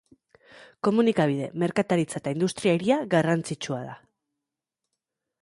Komunikabide, merkataritza eta industria hiria garrantzitsua da.